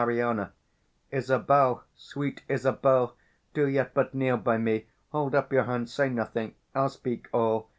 _ Isabel, Sweet Isabel, do yet but kneel by me; 435 Hold up your hands, say nothing, I'll speak all.